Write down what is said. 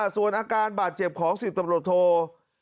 ส่วนอาการบาดเจ็บของสิทธิ์ตำรวจโทร